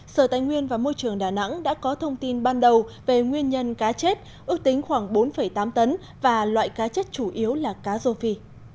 sở tài nguyên và môi trường đà nẵng đã có thông tin ban đầu về nguyên nhân cá chết ước tính khoảng bốn tám tấn và loại cá chết chủ yếu là cá rô phi